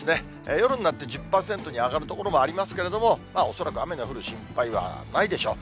夜になって１０％に上がる所もありますけれども、恐らく雨の降る心配はないでしょう。